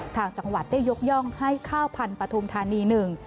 ทางจังหวัดได้ยกย่องให้ข้าวพันธุมธานีหนึ่ง